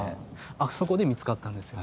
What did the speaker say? あそこで見つかったんですよ。